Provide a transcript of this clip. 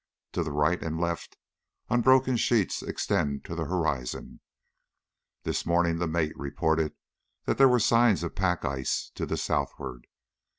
To the right and left unbroken sheets extend to the horizon. This morning the mate reported that there were signs of pack ice to the southward.